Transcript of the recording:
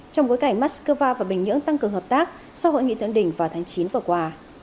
trong bối cảnh moscow và bình nhưỡng tăng cường hợp tác sau hội nghị thượng đỉnh vào tháng chín vừa qua